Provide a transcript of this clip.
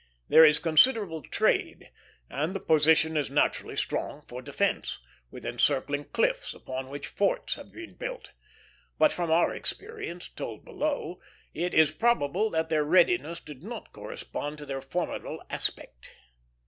There is considerable trade, and the position is naturally strong for defence, with encircling cliffs upon which forts have been built; but from our experience, told below, it is probable that their readiness did not correspond to their formidable aspect.